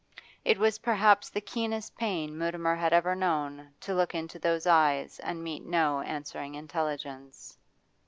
It was perhaps the keenest pain Mutimer had ever known to look into those eyes and meet no answering intelligence.